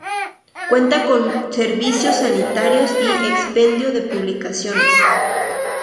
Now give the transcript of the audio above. Cuenta con servicios sanitarios y expendio de publicaciones.